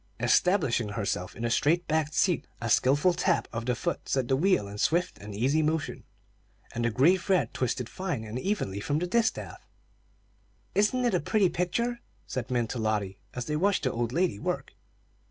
Establishing herself in the straight backed seat, a skilful tap of the foot set the wheel in swift and easy motion, and the gray thread twisted fine and evenly from the distaff. "Isn't it a pretty picture?" said Min to Lotty, as they watched the old lady work.